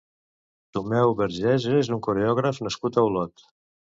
Tomeu Vergès és un coreògraf nascut a Olot.